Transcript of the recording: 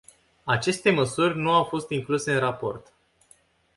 Aceste măsuri nu au fost incluse în raport.